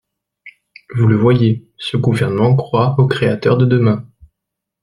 Vous le voyez, ce gouvernement croit aux créateurs de demain.